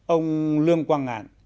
ông lương quang ngạn